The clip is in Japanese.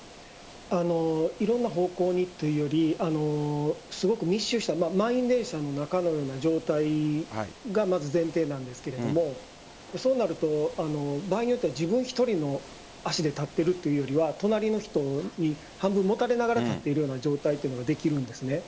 いろんな方向にというよりすごく密集した満員電車の中のような状態が前提なんですがそうなると、場合によっては自分１人の足で立っているというより隣の人に半分もたれながら立っているような状態というのができるんです。